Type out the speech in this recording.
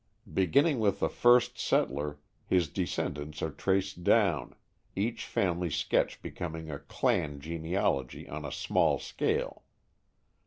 Beginning with the first settler, his descendants are traced down, each family sketch becoming a "clan" genealogy on a small scale.